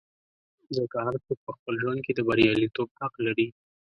ځکه هر څوک په خپل ژوند کې د بریالیتوب حق لري.